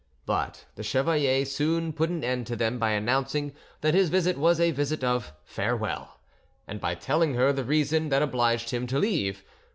But the chevalier soon put an end to them by announcing that his visit was a visit of farewell, and by telling her the reason that obliged him to leave her.